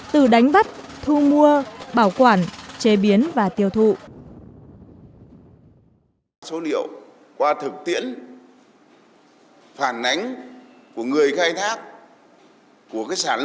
từ đánh bắt thu mua bảo quản chế biến và tiêu thụ